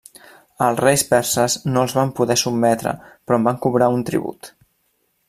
Els reis perses no els van poder sotmetre però en van cobrar un tribut.